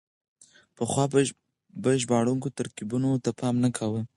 پخوا به ژباړونکو ترکيبونو ته پام نه کاوه.